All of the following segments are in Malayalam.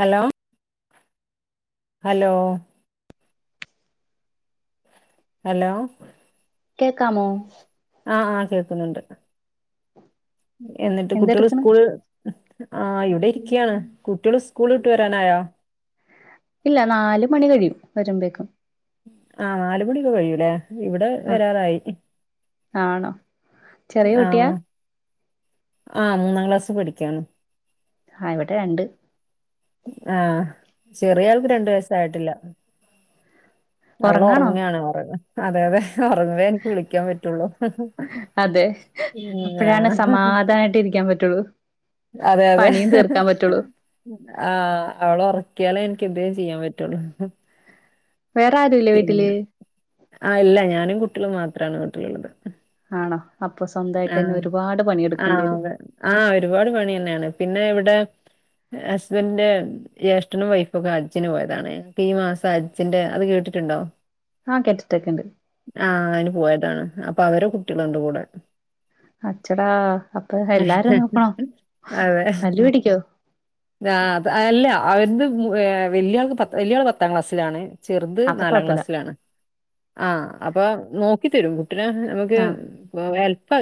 ഹലോ ഹലോ ഹലോ കേക്കാമോ ആഹ് ആഹ് കേക്കുന്നുണ്ട് എന്നിട്ട് കുട്ട്യള് എന്തെടുക്കണ് സ്കൂൾ ആഹ് ഇവിടെ ഇരിക്ക്യാണ് കുട്ട്യള് സ്കൂള് വിട്ട് വരാനായോ ഇല്ല നാല് മണി കഴിയും വരുമ്പേക്കും ആഹ് നാല് മണിയൊക്കെ കഴിയൂല്ലേ ഇവിടെ ആ വരാറായി ആണോ ചെറിയ കുട്ടിയാ ആഹ് ആഹ് മൂന്നാം ക്ലാസ് പഠിക്കാണ് ആഹ് ഇവിടെ രണ്ട് ആഹ് ചെറിയാൾക്ക് രണ്ട് വയസായിട്ടില്ല അവള് ഉറങ്ങാണോ ഉറങ്ങാണ്ന്നറ്യാ അതെ അതെ ഉറങ്ങേ എനിക്ക് വിളിക്കാൻ പറ്റുള്ളു അതെ അപ്പോഴാണ് സമാധാനായിട്ട് ഇരിക്കാൻ പറ്റുള്ളൂ പണിയും തീർക്കാൻ പറ്റുള്ളൂ ആഹ് അവളെ ഉറക്കിയാലേ എനിക്ക് എന്തേലും ചെയ്യാൻ പറ്റുള്ളു വേറെ ആരും ഇല്ലേ വീട്ടില് ആഹ് ഇല്ല ഞാനും കുട്ടികളും മാത്രാണ് വീട്ടിലുള്ളത് ആണോ അപ്പൊ ആ സ്വന്തായിട്ടെന്നെ ഒരുപാട് പണിയെടുക്കേണ്ടി ആഹ് വരും അതെ ആഹ് ഒരുപാട് പണി തന്നെയാണ് പിന്നെ ഇവിടെ ഹസ്ബൻഡന്റെ ജ്യേഷ്ഠനും വൈഫും ഒക്കെ ഹജ്ജിന് പോയതാണെ ഈ മാസം ഹജ്ജിന്റെ അത് കേട്ടിട്ടുണ്ടോ ആഹ് കേട്ടിട്ടൊക്കെ ഉണ്ട് ആഹ് അയ്ന് പോയതാണ് അപ്പൊ അവരെ കുട്ടികളുണ്ട് കൂടെ അച്ചടാ അപ്പൊ എല്ലാരെയും നോക്കണോ അതെ തല്ല് പിടിക്കോ ആഹ് അത് അല്ല അവർത് മു ഏഹ് വല്യാൾക്ക് പത്ത് വല്ല്യാള് പത്താം ക്ലാസ്സിലാണ് ചെറുത് അപ്പൊ നാലാം കൊഴപ്പില്ല ക്ലാസ്സിലാണ് ആഹ് അപ്പൊ നോക്കി തരും കുട്ടിനെ നമുക്ക് ആ ഹെല്പ്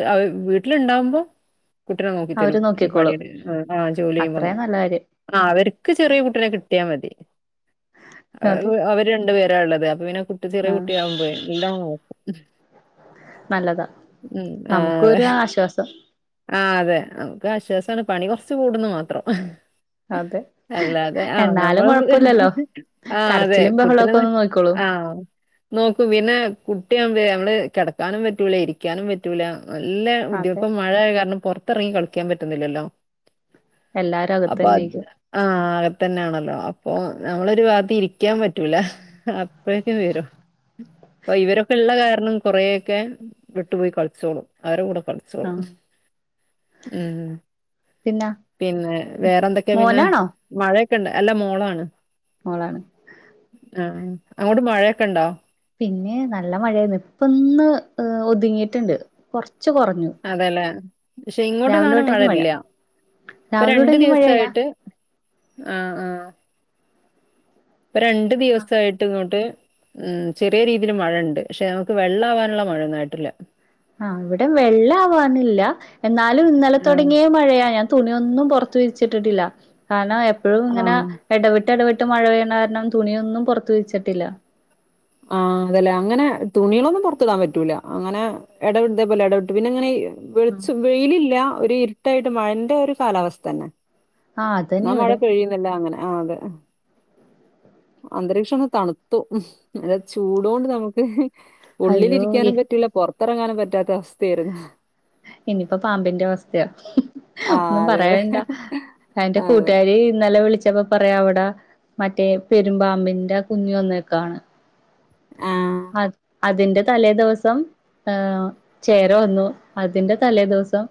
വീട്ടിലുണ്ടാവുമ്പോ കുട്ടീനെ നോക്കി അവര് തരും നോക്കിക്കോളും പണിയുടെ ആഹ് ജോലിയെയും വന്നു അത്രയും നല്ല കാര്യം ആഹ് അവർക്ക് ചെറിയ കുട്ടീനെ കിട്ടിയാ മതി അതെ അഹ് അവർ രണ്ടു പേരാ ഉള്ളത് അപ്പൊ പിന്നെ കുട്ടി ആ ചെറിയ കുട്ടിയാവുമ്പോഴേ എല്ലാം നോക്കും നല്ലതാ നമുക്കൊരു ആഹ് ആശ്വാസം അതെ ആഹ് അതെ നമുക്ക് ആശ്വാസാണ് പണി കൊറച്ച് കൂടുന്നു മാത്രം അതെ അല്ല അതെ ആഹ് എന്നാലും നമ്മൾ കൊഴപ്പില്ലല്ലോ ആഹ് അതെ കരച്ചിലും കുട്ടിനെ ബഹളൊക്കെ നോ ഒന്ന് നോക്കിക്കോളൂ ആഹ് നോക്കും പിന്നെ കുട്ട്യാവുമ്പേ ഞമ്മള് കിടക്കാനും പറ്റൂല ഇരിക്കാനും പറ്റൂല നല്ല ബുതി അതെ ഇപ്പം മഴയായ കാരണം പുറത്തിറങ്ങി കളിക്കാൻ പറ്റുന്നില്ലല്ലോ എല്ലാരും അപ്പൊ അത് അകത്തന്നെക്കും ആഹ് അഹതന്നെയാണല്ലോ അപ്പൊ നമ്മളൊരു ഭാത്ത് ഇരിക്കാൻ പറ്റൂല അപ്പോഴേക്കും വരും അപ്പ ഇവരൊക്കെള്ള കാരണം കൊറെയൊക്കെ വിട്ടുപോയി കളിച്ചോളും അവരും കൂടെ കളി ആ ച്ചോളും ഉം പിന്നെ പിന്നെ വേറെന്തൊക്കെ പിന്നെ മോനാണോ മഴയൊക്കെ ഇണ്ടോ? അല്ല മോളാണ്. മോളാണ്. ആഹ് അങ്ങോട്ട് മഴയൊക്കെ ഇണ്ടോ? പിന്നെ നല്ല മഴയാന്ന് ഇപ്പന്ന് ഏഹ് ഒതുങ്ങിട്ണ്ട് കൊർച്ച് കൊർഞ്ഞു. അതെല്ലേ പക്ഷെ ഇങ്ങോട്ട് സാനം മഴ മഴല്ല്യ. ഇപ്പ രാവിലെ രണ്ടു തൊടങ്ങി മഴയാ ദിവസായിട്ട് ആഹ് ആഹ്. ഇപ്പ രണ്ട് ദിവസായ്ട്ട് ഇങ്ങോട്ട് ഉം ചെറിയ രീതിയിൽ മഴയണ്ട് പക്ഷെ നമുക്ക് വെള്ള ആവാന്ള്ള മഴൊന്നും ആയിട്ടില്ല. ആഹ് ഇവിടേം വെള്ള ആവാനില്ല എന്നാലും ഇന്നലെ ആ തൊട്‌ങ്ങിയ മഴയാ തുണിയൊന്നും പൊർത്തു വിരിച്ചിട്ടിട്ടില്ല കാരണം എപ്പഴും ഇങ്ങനെ ആ എടവിട്ട് എടവിട്ട് മഴ പെയ്യ്ന്ന കാരണം തുണിയൊന്നും പൊർത്ത് വെച്ചിട്ടില്ല. ആഹ് അതല്ലെ അങ്ങന തുണികളൊന്നും പൊർത്ത്ടാൻ പറ്റൂല അങ്ങനെ എടവ്ട്ട്പോലെടവ്ട്ട് പിന്നെങ്ങനെയ്യ് വെളിച്ച വെയിലില്ല ഒരിര്‌ട്ടായിട്ട് മഴന്റെ ഒരു കാലാവസ്ഥന്നെ. ആ ന്ന അതന്നെ മഴ ഇവിടെ പെയ്യ്ന്ന്ല്ല അങ്ങനെ ആഹ് അതെ. അന്തരീക്ഷം ഒന്ന് തണുത്തു ന്നല്ല ചൂടൊണ്ട് നമുക്ക് അയ്യോ ഈ ഉള്ളിലിരിക്ക്യാനും പറ്റൂല്ല പൊർത്തെർങ്ങാനും പറ്റാത്ത അവസ്ഥേര്ന്നു. ഇനിയിപ്പ പാമ്പിന്റവസ്ഥയാ ആഹ് ഒന്നും അതെ അതെ പറയണ്ട. എന്റെ അതെ കൂട്ട്കാരി ഇന്നലെ വിളിച്ചപ്പ പറയാ അവ്ടെ മറ്റേ പെര്മ്പാമ്പിന്റെ കുഞ്ഞ് വന്നേക്കാണ്. ആഹ്. ആ അതിന്റെ തലേദിവസം ഏഹ് ചേര വന്നു അതിന്റെ തലേദിവസം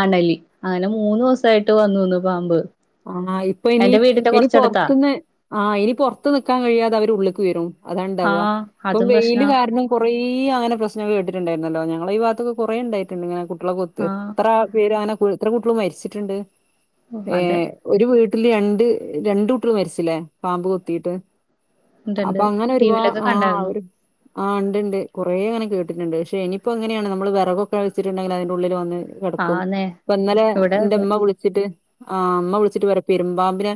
അണലി അങ്ങനെ മൂന്നുസായ്ട്ട് വന്നൂന്ന് പാമ്പ്. ആഹാ ഇപ്പ ഇനി എന്റെ വീടിന്റെ ഇനി കൊറച്ചടുത്താ പോർത്ത്ന്ന് ആഹ് ഇനി പൊർത്ത് നിക്കാൻ കഴിയാതവര് ഉള്ളിക്ക് വെരും. അതണ്ടാവ ആഹ് ഇപ്പം അതും വെയ്ല് പ്രശ്നാ കാരണം കൊറേയ്യങ്ങനെ പ്രശ്നങ്ങള് കേട്ട്‌ ട്ട്ണ്ടായ്ര്ന്നല്ലോ നങ്ങളെ ഈ ഭാഗത്തൊക്കെ കൊറേ ഇണ്ടായിട്ട്ണ്ട് ഇങ്ങനെ കു ട്ട്യളെ കൊത്തി എത്ര ആഹ് പേരാണ് ഇപ്പെത്ര കുട്ട്യള് മരിച്ചിട്ണ്ട് അതെ ഏഹ്. ഒര്‌ വീട്ട്ല് രണ്ട് രണ്ടുട്ട്യള് മര്ച്ച്ല്ലേ? പാമ്പ് കൊത്തീട്ട്. അപ്പ ഉണ്ട്ണ്ട് ടി അങ്ങനെരുപാ വിയിലൊക്കെ ആഹ് കണ്ടായിരുന്നു ഒര് ആഹ് ഇണ്ട്ണ്ട് കുറെങ്ങനെ കേട്ട്ടിണ്ട് ക്ഷെനിപ്പോങ്ങനെയാണ് നമ്മള് വെറകൊക്കെ വെച്ച്ണ്ട് ണ്ടെങ്കിലതിന്റെ ഉള്ളില് വന്ന് കെട്ക്കും ആന്നേ പ്പന്നലെ ഇവിടെ അതെ എന്റുമ്മ വിൾ ച്ചിട്ട് ആ ഇമ്മ വിൾച്ചിട്ട് പറ്യാ പെരുമ്പാമ്പിനെ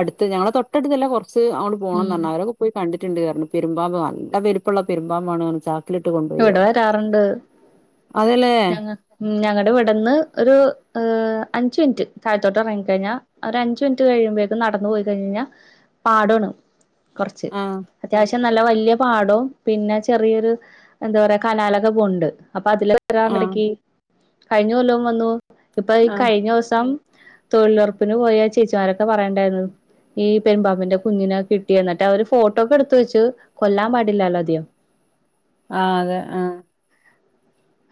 അട്ത്ത് ഞങ്ങളെ തൊട്ടട്ത്തല്ല കൊർച്ച് ഉം പോണംന്നർഞ്ഞ് അവരൊക്കെ പോയ് കണ്ട്ണ്ട് ട് അർഞ്ഞ് പെരുമ്പാമ്പ് നല്ല വെ ല്‌പ്പള്ള പെരുമ്പാമ്പാണ് ച ഇവ്ടെ വരാറ്ണ്ട് അതെല്ലേ ഞങ്ങ ഉം ഞങ്ങടെവ്ട്ന്ന് ഒരു ഏഹ് അഞ്ച് മിൻറ്റ് താഴ്ത്തോട്ടെറങ്ങിക്കഴിഞ്ഞാ ഒരഞ്ചു മിൻറ്റഴിയുബെക്കും നടന്ന് പോയി കഴിഞ്ഞഞ്ഞാ പാടാണ്. കൊർച്ച് ആ അത്യാവശ്യം നല്ല വല്ല്യ പാടവും പിന്നെ ചെറിയൊരു എന്താ പറയാ കനാലക്കെപോണ്ട് അപ്പ ആ അതിലവിടയ്ക്ക് കഴിഞ്ഞ കൊല്ലോം വന്നു ഇപ്പ ഈ ആ കയിഞ്ഞോസം തൊഴിലൊർപ്പിന് പോയ ചേച്ചിമാരൊക്കെ പറേണ്ടാര്ന്നു ഈ പെരുമ്പാമ്പിന്റെ കുഞ്ഞിനെ കിട്ടി എന്നിട്ടവര് ഫോട്ടോക്കെടുത്ത് വെച്ചു കൊല്ലാൻ പാടില്ലല്ലോ ആദ്യം. ആ അതെ ആഹ്.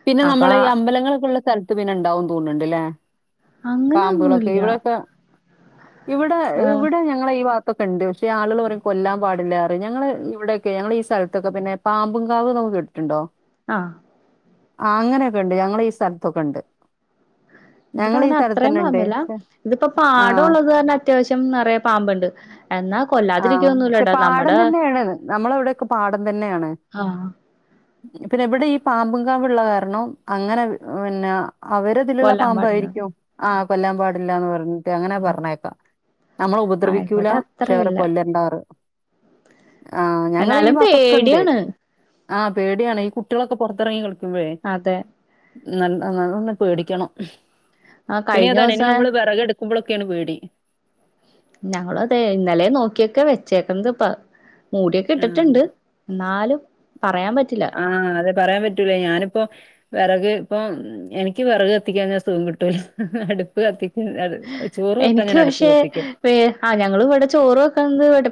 പിന്നെ അപ്പൊ നമ്മളീ അമ്പലങ്ങളൊക്കെള്ള സ്ഥലത്ത് പിന്നെണ്ടാവുംന്ന് തോന്ന്ണ്ട്ല്ലേ? പാമ്പ്ളൊക്കെ അങ്ങനെയൊന്നുമില്ല ഇവിടെക്ക ഇവ്ടെ ഇവ്ടെ ഞ ഞങ്ങളെ ഈഭാഗത്തൊക്കെണ്ട് ക്ഷെ ആള്ക്ള് പറയും കൊല്ലാമ്പാടില്ലറിം ഞങ്ങള് ഇവിടെക്കെ ഞങ്ങളീ സെൽത്തൊക്കെ പിന്നെ പാമ്പുംകാവന്നൊക്കെ കേട്‌ട്ടിണ്ടോ? ആഹ് ആഹ് അങ്ങനെയൊക്കെ ഉണ്ട് ഞങ്ങള ഈ സ്ഥലത്തൊക്കെ ഉണ്ട് ഞങ്ങളെ ഈ സ്ഥലത്ത് ഇവിടെങ്ങനത്രേ തന്നെ ഉണ്ട്. പാമ്പില്ല പക്ഷെ ഇതിപ്പോ പാടം ആഹ് ഉള്ളത് കാരണം അത്യാവശ്യം നിറയെ പാമ്പുണ്ട് എന്നാ കൊല്ല ആഹ് പക്ഷെ പാടം തന്നെയാണിത് നമ്മളവിടെക്കെ പാടം തന്നെയാണ് ആഹ് പിന്നെ ഇവിടെ ഈ പാമ്പുങ്കാവുള്ള കാരണം അങ്ങനെ ഏഹ് പിന്നെ അവരിതിലുള്ള കൊല്ലാൻ പാടില്ല പാമ്പായിരിക്കും ആഹ് കൊല്ലാൻ പാടില്ലാന്ന് പറഞ്ഞിട്ട് അങ്ങനെ ഉം പറഞ്ഞേക്കാം നമ്മളെ ആഹ് ഉപദ്രവിക്കൂല ഇവിടെ അത്ര പക്ഷേ അവരെ ഇല്ല കൊല്ലണ്ടാറ് ആഹ് ഞങ്ങള ഈ എന്നാലും ഭാഗത്തൊക്കെ ഉണ്ട് പേടിയാണ് ആഹ് പേടിയാണ് ഈ കുട്ടികളൊക്ക പുറത്തെറങ്ങി കളിക്കുമ്പോഴേ അതെ [unintelligible] പേടിക്കണം ആഹ് കഴിഞ്ഞ പിന്നിതാണ് ഇനി ദിവസം നമ്മള് വിറകെടു [unintelligible] പേടി ഞങ്ങളും അതെ ഇന്നലേയും നോക്കിയൊക്ക വെച്ചേക്കുന്നത്പ്പ മൂടിയൊക്കെ ആഹ് ഇട്ടിട്ടുണ്ട് എന്നാലും പറയാൻ പറ്റില്ല ആഹ് അതെ പറയാൻ പറ്റൂല ഞാനിപ്പോ വിറക് ഇപ്പോ എനിക്ക് വിറക് കത്തിക്കാഞ്ഞാ സുഖം കിട്ടൂല അടുപ്പ് കത്തി [unintelligible] അത് ചോറ് വെക്കാൻ എനിക്ക് ഞാൻ അടുപ്പ് പക്ഷേ കത്തിക്കും [unintelligible] ആഹ് ഞങ്ങള് ഇവിടെ ചോറ് വെക്കണത് ഇവിട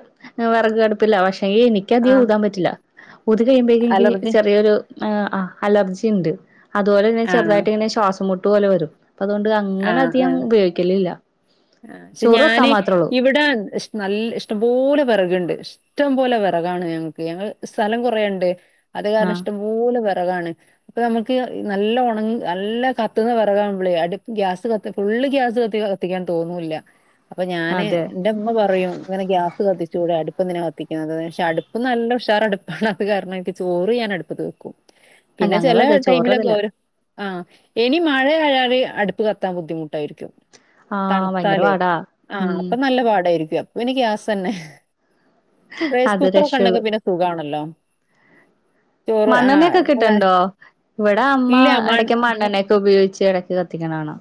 വിറക് അടുപ്പ് പ്പിലാ പക്ഷെ എനിക്കധികം ആഹ് ഊതാൻ പറ്റില്ല ഊതി കഴിയുമ്പോഴക്കും എനിക്കി അലർജി ചെറിയൊരു ആഹ് അലർജി ഇണ്ട് അതുപോലെ തന്നെ ആഹ് ചെറുതായിട്ട് ഇങ്ങനെ ശ്വാസം മുട്ട് പോലെ വരും അതുകൊണ്ട് അങ്ങന ആഹ് ആഹ് അധികം ഉപയോഗി ഇല്ലില്ല ചോറ് വെക്കാൻ മാത്രം ഉള്ളൂ ഇവിടാ ഇഷ് നല്ല ഇഷ്ടംപോലെ വിറക്ണ്ട് ഇഷ്ടം പോലെ വിറകാണ് ഞങ്ങൾക്ക് ഞങ്ങൾ സ്ഥലം കുറേണ്ട് അത് കാരണം ആഹ് ഇഷ്ട പോലെ വിറകാണ് അപ്പൊ നമ്മുക്ക് നല്ല ഉണ നല്ല കത്തുന്ന വിറകാവൂമ്പളേ അടു ഗ്യാസ് കത്തി ഫുള്ള് ഗ്യാസ് കത്തി കത്തിക്കാൻ തോന്നൂല്ല അപ്പൊ ഞാന് അതെ എന്റെ ഉമ്മ പറയും ഇങ്ങനെ ഗ്യാസ് കത്തിച്ചുകൂടെ അടുപ്പ് എന്തിനാ കത്തിക്കുന്നത് പക്ഷെ അടുപ്പ് നല്ല ഉഷാർ അടുപ്പ് അത് കാരണം ചോറ് ഞാൻ അടുപ്പത്ത് വെക്കും ആ പിന്നെ ഞങ്ങളും ചില അതെ ചോറ് ടൈമിലൊക്കെ അതില്ല ഓരോ ആഹ് ഇനി മഴ ആയാല് അടുപ്പ് കത്താൻ ബുദ്ധിമുട്ടായിരിക്കും ആഹ് ഭയങ്കര തണുത്താലേ പാടാ ആഹ് ഉം അപ്പൊ നല്ല പാടായിരിക്കും അപ്പൊ പിന്നെ ഗ്യാസ് തന്നെ റൈസ് അത് കുക്കറൊക്കെ രക്ഷയുള്ളൂ ഉണ്ടെങ്കിൽ പിന്നെ സുഖാണല്ലോ ചോറ് ആ മണ്ണെണ്ണയൊക്കെ കിട്ടണ് അതെ. ണ്ടോ ഇവിടെ അമ്മ ഇല്ല മൺ എടക്ക് മണ്ണെണ്ണയൊക്കെ ഉപയോഗിച്ച് എടക്ക് കത്തി കത്തിക്കണ കാണാം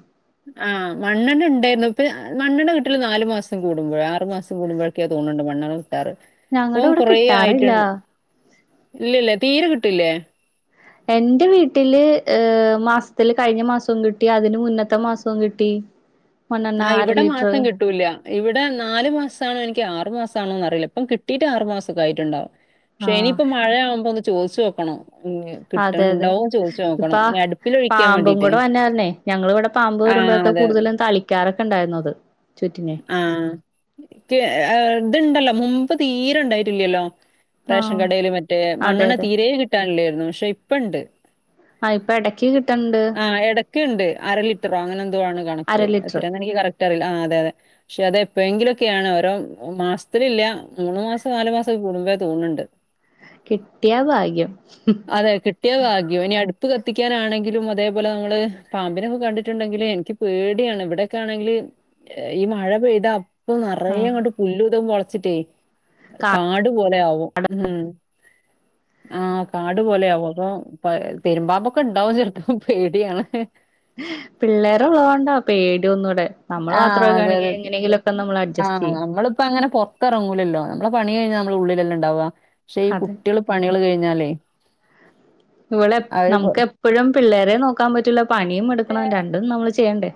ആഹ് മണ്ണെണ്ണ ഉണ്ടായിരുന്നു ഇപ്പ മണ്ണെണ്ണ കിട്ടല് നാല് മാസം കൂടുമ്പഴ ആറു മാസം കൂടുമ്പോൾ തോന്നുണ്ട് മണ്ണെണ്ണ കിട്ടാറ് ഇപ്പോ ഞങ്ങളുടെ ഇവിടെ കുറേ കിട്ടാറില്ല ആയിട്ട്ണ്ട് ഇല്ലില്ല തീരെ കിട്ടുല്ലേ എന്റെ വീട്ടില് ഏഹ് മാസത്തില് കഴിഞ്ഞ മാസം കിട്ടി അതിന് മുന്നത്ത മാസവും കിട്ടി മണ്ണെണ്ണ ആഹ് അര ഇവിടെ ലിറ്റർ മാസം കിട്ടൂല്ല ഇവിടെ നാല് മാസമാണോ എനിക്ക് ആറുമാസണോന്ന് അറിയില്ല ഇപ്പം കിട്ടിട്ട് ആറു മാസൊക്കെ ആയിട്ടുണ്ടാവും പക്ഷേ ഇനി ആഹ് ഇപ്പം മഴ ആവുമ്പോ ഒന്ന് ചോദിച്ചു നോക്കണം [unintelligible] അതെ അതെ ചോദിച്ചു ഇപ്പ നോക്കണം. ഇനി അടുപ്പിലൊഴിക്കാൻ പാമ്പും വേണ്ടീട്ടേ. കൂടെ വന്നാര്ന്നേ ഞങ്ങൾ ഇവിടെ പാമ്പ് ആ വരുമ്പോഴൊക്കെ അതെ. കൂടുതലും തളിക്കാറൊക്കെ ഉണ്ടായിരുന്നു അത് ചുറ്റിനെ ആഹ് എനിക്കി ഇത്ണ്ടല്ലോ മുമ്പ് തീരെ ഉണ്ടായിട്ടില്ലല്ലോ റേഷൻ ആഹ് കടേല് മറ്റേ അതെ മണ്ണെണ്ണ അതെ തീരേ കിട്ടാനില്ലായിരുന്നു. പക്ഷെ ഇപ്പണ്ട്. ആഹ് ഇപ്പ എടക്ക് കി ആഹ് എടക്ക്ണ്ട് അര ലിറ്ററോ അങ്ങനെ എന്തോ ആണ് അര കണക്ക് ലിറ്റർ എത്ര എന്ന് എനിക്ക് കറക്റ്ററിയില്ല. ആഹ് അതെ അതെ പക്ഷെ അത് എപ്പോഴെങ്കിലുക്കെയാണ് ഓരോ മാസത്തിലില്ല മൂന്ന് മാസം നാലു മാസക്കെ കൂടുമ്പേ തോന്ന്ണ്ട്. [inaudible] കിട്ട്യാ ഭാഗ്യം അതെ കിട്ടിയ ഭാഗ്യം ഇനി അടുപ്പ് കത്തിക്കാനാണെങ്കിലും വ തേ പോലെ നമ്മള് പാമ്പിനൊക്കെ കണ്ടിട്ടുണ്ടെങ്കില് എനിക്ക് പേടിയാണ്. ഇവിടെക്കെ ആണെങ്കില് ഈ മഴ പെയ്താ അപ്പ നറയെ ആഹ് ങ്ങട് പുല്ലും തും മൊളച്ട്ടെ കാ കാട് പോലെ ആവും. ഉംഹു ആഹ് കാട് പോലെയാവും അപ്പൊ പ്പ പെരുമ്പാമ്പൊക്ക ണ്ടാവും ചെൽപ്പം. പേടിയാണ് ഹ് പിള്ളേര് ഉള്ളതോണ്ടാ പേടി ഒന്നൂടെ നമ്മള് ആഹ് മാത്രൊക്കാണെങ്കി അതെതെ എങ്ങനെങ്കിലൊക്കെ നമ്മൾ അഡ്ജസ്റ്റ് ആഹ് ചെയ്യും നമ്മള്പ്പങ്ങനെ പൊർ ത്തെറങ്ങൂലല്ലോ നമ്മളെ പണി കഴിഞ്ഞാ നമ്മള് ഉള്ളിലല്ലെ ണ്ടാവ. പക്ഷെ ഈ അതെ കുട്ട്യള് പണികൾ കഴിഞ്ഞാലേ ഇവളെ അവര് പൊ നമുക്ക് എപ്പഴും പിള്ളേരെ നോക്കാൻ പറ്റൂല്ല പണിയും എടുക്കണം രണ്ടും നമ്മള് ചെയ്യണ്ടേ.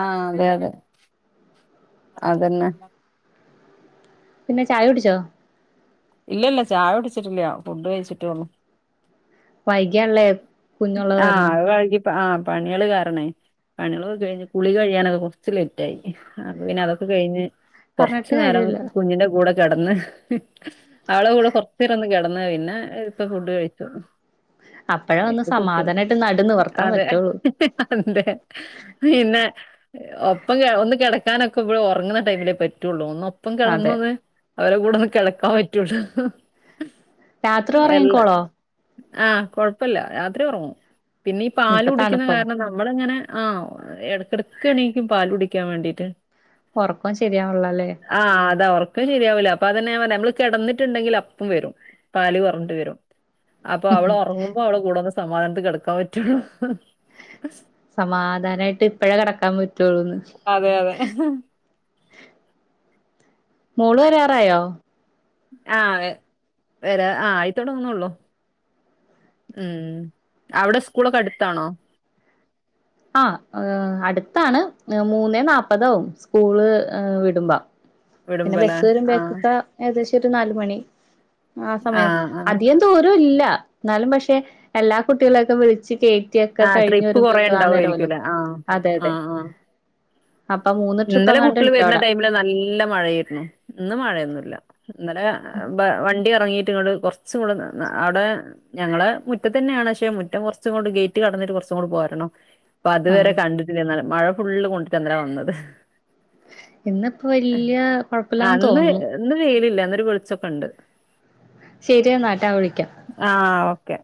ആഹ് അതെ അതെ അതന്നെ പിന്നെ ചായ കുടിച്ചോ? ഇല്ല ല്ല ചായ കുടിച്ചിട്ടില്ല ഫുഡ് കഴിച്ചിട്ടേ ഉള്ളൂ. വൈകിയാള്ളെ ആഹ്‌ അഹ്‌ വഴികി ആഹ്‌ പണിയെള് കാരണേ. പണിയെളൊക്കെ കഴിഞ്ഞ് കുളി കഴിയാനൊക്കെ കൊറ്ച്ച് ലൈറ്റായി. അപ്പ പിന്നെ അതൊക്കെ കഴിഞ്ഞ് കൊറ്ച്ച് പറഞ്ഞിട്ട് നേരം കാര്യമില്ല കുഞ്ഞിന്റെ കൂടെ കെടന്ന് അവളെ കൂടെ കൊറ്ച്ചേരൊന്ന് കെടന്ന് പിന്നെ ഇപ്പൊ ഫുഡ് കഴിക്കു അപ്പഴാ ഒന്ന് സമാധാനായിട്ട് നടു നിവർത്താം പറ്റുള്ളൂ അന്തെ പിന്നെ ഒപ്പം കെ ഒന്ന് കെടക്കാനൊക്കെ ഇവള് ഒറങ്ങുന്ന ടൈമിലേ പറ്റുള്ളൂ ഒന്നു പ്പം അതെ കെടന്നത് അവരെ കൂടൊന്ന് കെടക്കാൻ പറ്റുള്ളൂ രാത്രി എല്ല ഉറങ്ങിക്കോളോ ആഹ്‌ കൊഴപ്പല്ല രാത്രി ഒറങ്ങും. പിന്നി ഈ പാല് ഇപ്പൊ കുടിക്ക്ന്ന തണുപ്പല്ലേ കാര്ണന്താ വള്ങ്ങനെ ആഹ്‌ എടക്കെടക്കെ ണീക്കും പാലുടിക്കാൻ വേണ്ടീട്ട്. ഒറക്കം ശരിയാവ്‌ൺല്ലല്ലേ ആഹ് അതാ ഒറക്കം ശരിയാവൂല അപ്പതന്നെ ഞാം പർഞ്ഞേ നമ്മള് കെടന്നിട്ടുണ്ടെങ്കില് അപ്പം വരും. പാല് പർഞ്ഞ്ട്ട് വരും. അപ്പൊ അവളൊറങ്ങുമ്പോ അവളെ കൂടൊന്ന് സമാധാനത്തി കെട്ക്കാൻ പറ്റുള്ളൂ. സമാധാനായിട്ട് ഇപ്പഴേ കെടക്കാൻ പറ്റുള്ളൂന്ന്. അതെ അതെ മോള് വരാറായോ? ആഹ്‌ വര് വരാ ആയിത്തൊട്ങ്ങ്ന്നുള്ളു. ഉം അവ്ടെ സ്കൂളൊക്കെ അടുത്താണോ? ആഹ്‌ അടുത്താണ് മൂന്നേ നാപ്പതാവും സ്കൂള് വിടുമ്പോ. പിന്നെ വിടുമ്പോല്ലേ ബസ് ആഹ് വരുംബേക്കൊക്കെ ഏകദേശം ഒരു നാല് മണി ആ സമയം ആഹ് ആഹ് അധികം ദുരൂ ല്ല ന്നാലും പഷെ എല്ലാ കുട്ടികളെയൊക്കെ വിളിച്ച് കേ റ്റിയൊക്കെ ആഹ് കഴിഞ്ഞ് ട്രിപ്പ് കൊറേ വരുമ്പേക്കും ആ നേരാവൊല്ലോ. ഉണ്ടാവുമായിരിക്കുംല്ലേ ആഹ് അതെ അതെ. ആഹ് ആഹ് അപ്പ മൂന്ന് ട്രിപ്പങ്ങാണ്ട് ണ്ടവട ഇബടെ നല്ല മഴെ ഏര്ന്നു ഇന്ന് മഴയൊന്നുല്ല ഇന്നലെ വ വണ്ടി എറങ്ങീട്ട് ഇങ്ങോട്ട് കൊറച്ചും കൂടെ അടെ ഞങ്ങളെ മുറ്റത്തന്നെയാണ് പക്ഷെ മുറ്റം കുറച്ചങ്ങോട്ട് ഗേറ്റ് കടന്നിട്ട് കുറച്ചിങ്ങോട്ട് പോരണം പ്പ ആ അതുവരെ കണ്ടിട്ടില്ലന്നാലും മഴ ഫുള്ള് കൊണ്ടിട്ട ഇന്നലെ വന്നത് ഇന്ന്പ്പോ വല്യ ആ, കൊഴപ്പല്ലാന്ന് അന്ന് തോന്നുന്നു ഇന്ന് വെയിലില്ല ന്നൊരു വെള്ച്ചൊക്കെണ്ട് ശരിയാന്നാട്ടാ വിളിക്കാ ആഹ്‌ ഓക്കെ